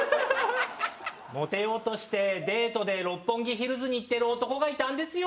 モテようとしてデートで六本木ヒルズに行ってる男がいたんですよ。